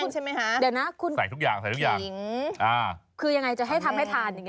คือยังไงจะให้ทำให้ทานวันนี้หรอ